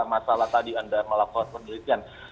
masalah tadi anda melakukan penelitian